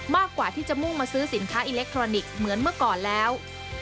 มากกว่าที่จะมุ่งมาซื้อสินค้าอิเล็กทรอนิกส์เหมือนเมื่อก่อนแล้ว